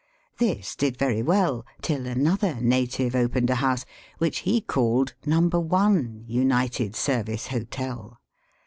This did very well till another native opened a house, which he called " Number One, United Service Hotel."